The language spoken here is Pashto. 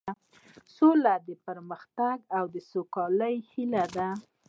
سوله د پرمختګ او سوکالۍ کیلي ده.